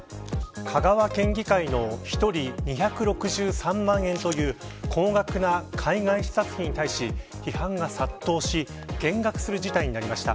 香川県議会の１人２６３万円という高額な海外視察費に対し批判が殺到し減額する事態になりました。